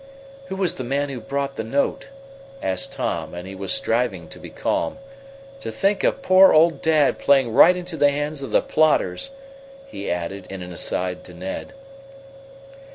"Who was the man who brought the note?" asked Tom, and he was striving to be calm. "To think of poor old dad playing right into the hands of the plotters!" he added, in an aside to Ned.